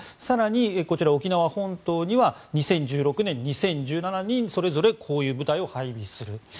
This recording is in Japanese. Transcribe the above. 更に、沖縄本島には２０１６年、２０１７年にそれぞれこういう部隊を配備する。